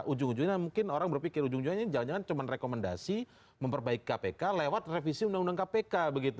ujung ujungnya mungkin orang berpikir ujung ujungnya ini jangan jangan cuma rekomendasi memperbaiki kpk lewat revisi undang undang kpk